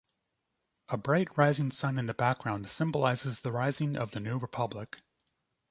A bright rising sun in the background symbolizes the rising of the new republic.